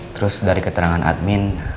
terus dari keterangan admin